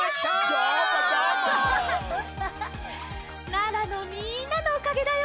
奈良のみんなのおかげだよ。